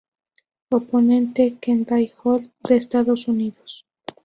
Oponente: Kendall Holt, de Estados Unidos.